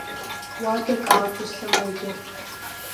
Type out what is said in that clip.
Уадак ауп исымоугьы…